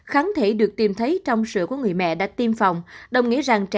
kháng thể được tìm thấy trong sữa của người mẹ đã tiêm phòng